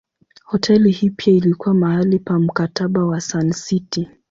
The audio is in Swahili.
Hoteli hii pia ilikuwa mahali pa Mkataba wa Sun City.